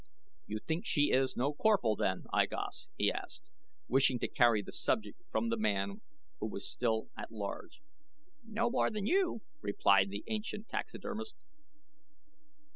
"You think she is no Corphal, then, I Gos?" he asked, wishing to carry the subject from the man who was still at large. "No more than you," replied the ancient taxidermist.